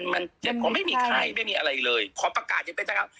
มันเจ็บคอไม่มีใครไม่มีอะไรเลยคอประกาศยังไปนะครับ